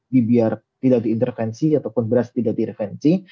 dibiar tidak diintervensi ataupun beras tidak direvensi